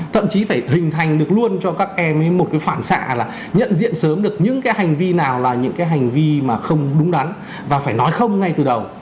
thậm chí phải hình thành được luôn cho các em một cái phản xạ là nhận diện sớm được những cái hành vi nào là những cái hành vi mà không đúng đắn và phải nói không ngay từ đầu